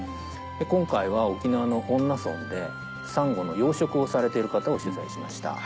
今回は沖縄の恩納村でサンゴの養殖をされている方を取材しました。